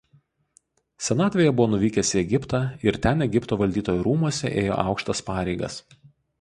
Senatvėje buvo nuvykęs į Egiptą ir ten Egipto valdytojo rūmuose ėjo aukštas pareigas.